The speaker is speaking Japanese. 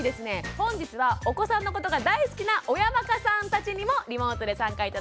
本日はお子さんのことが大好きな親バカさんたちにもリモートで参加頂きます。